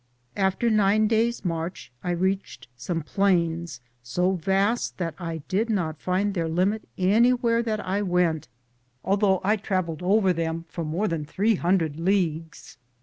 After nine days' march I reached some plains, so vast that I did not find their limit anywhere that I went, although I traveled over them for more than 300 leagues.